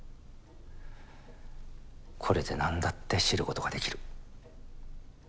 これで何だって知ることができる。